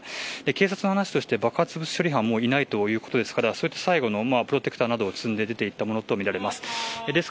警察の話として爆発物処理班はいないということですからそういった最後のプロテクターなどを積んで出ていったものとみられます。